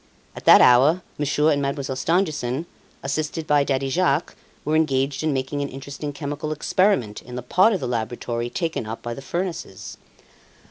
At that hour Monsieur and Mademoiselle Stangerson, assisted by Daddy Jacques, were engaged in making an interesting chemical experiment in the part of the laboratory taken up by the furnaces.